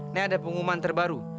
nih ada pengumuman terbaru